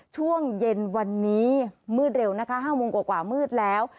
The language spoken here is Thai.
ช่วงเย็นวันนี้มืดเร็วนะคะ๕โมงกว่ามืดแล้ว